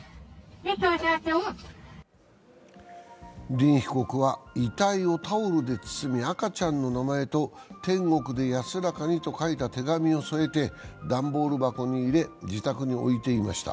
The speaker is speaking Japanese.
リン被告は遺体をタオルで包み、赤ちゃんの名前と「天国で安らかに」と書いた手紙を添えて段ボール箱に入れ、自宅に置いていました。